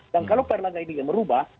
dan kalau pak erlangga ini yang merubah